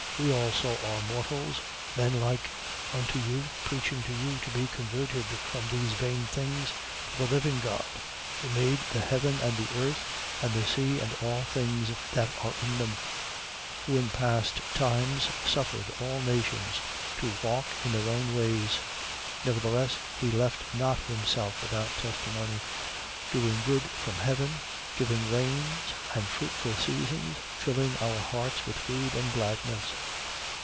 We also are mortals, men like unto you, preaching to you to be converted from these vain things to the living God, who made the heaven and the earth and the sea and all things that are in them: 14:15. Who in times past, suffered all nations to walk in their own ways. 14:16. Nevertheless he left not himself without testimony, doing good from heaven, giving rains and fruitful Seasons, filling our hearts with food and gladness.